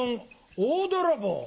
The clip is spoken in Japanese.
大泥棒。